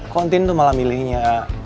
kok tin tuh malah milihnya